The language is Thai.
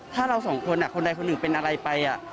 ถ้าเราสองคนคนใดคนหนึ่งเป็นอะไรไป